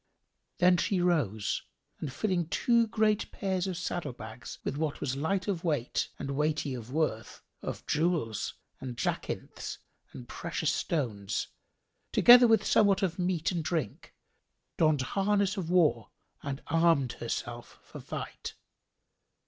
Then she rose and filling two great pairs of saddle bags with what was light of weight and weighty of worth of jewels and jacinths and precious stones, together with somewhat of meat and drink, donned harness of war and armed herself for fight.